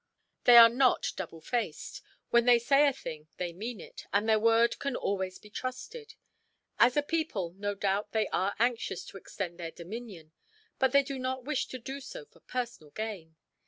They are not double faced; when they say a thing they mean it, and their word can always be trusted. As a people, no doubt they are anxious to extend their dominion; but they do not wish to do so for personal gain.